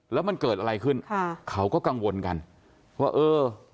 แล้วมันเกิดอะไรขึ้นค่ะเขาก็กังวลกันว่าเออ